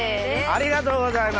ありがとうございます。